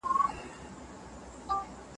څونه وخت غواړي چي دغه حاجي خپل طواف پوره کړي؟